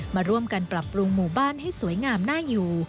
มาร่วมกันปรับปรุงหมู่บ้านให้สวยงามน่าอยู่